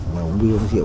mà uống bia uống rượu